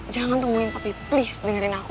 jangan temuin tapi please dengerin aku